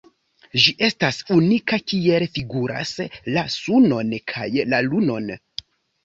Ĝi estas unika kiel figuras la Sunon kaj la Lunon.